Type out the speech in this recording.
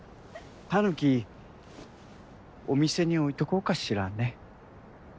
タヌキお店に置いとこうかしらね。